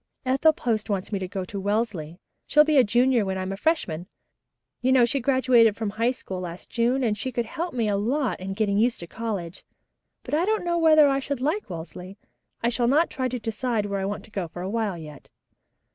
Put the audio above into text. "Ethel Post wants me to go to Wellesley. She'll be a junior when I'm a freshman. You know, she was graduated from High School last June and she could help me a lot in getting used to college. But I don't know whether I should like Wellesley. I shall not try to decide where I want to go for a while yet."